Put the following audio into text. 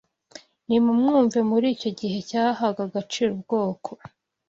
Nimumwumve muri icyo gihe cyahaga agaciro ubwoko